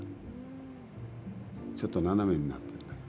ちょっと斜めになって。